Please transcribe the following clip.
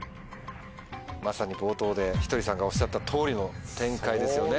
まさに冒頭でひとりさんがおっしゃった通りの展開ですね